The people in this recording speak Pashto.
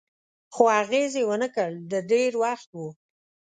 خو اغېز یې و نه کړ، د ډېر وخت و.